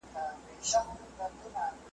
تاسي په خپلو لاسونو کي نېکي لرئ.